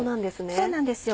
そうなんですよ。